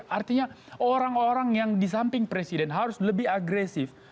artinya orang orang yang di samping presiden harus lebih agresif